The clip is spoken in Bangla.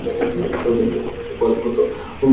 শরতের বেলার মত যেন না হয়।